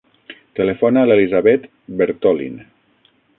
Telefona a l'Elisabeth Bertolin.